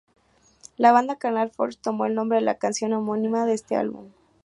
La banda 'Carnal Forge" tomo el nombre de la canción homónima de este álbum.